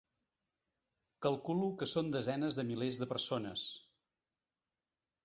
Calculo que són desenes de milers de persones.